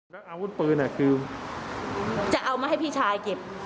แล้วอาวุธปืนคือจะเอามาให้พี่ชายเก็บ